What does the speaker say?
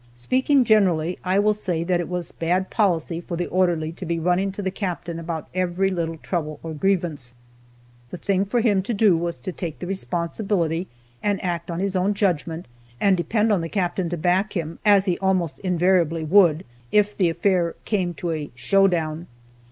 Speaking generally, I will say that it was bad policy for the orderly to be running to the captain about every little trouble or grievance. The thing for him to do was to take the responsibility and act on his own judgment, and depend on the captain to back him (as he almost invariably would) if the affair came to a "show down."